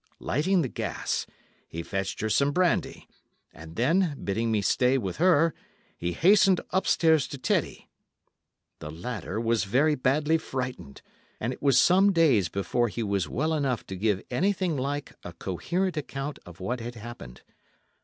Lighting the gas, he fetched her some brandy, and then, bidding me stay with her, he hastened upstairs to Teddy. The latter was very badly frightened, and it was some days before he was well enough to give anything like a coherent account of what had happened.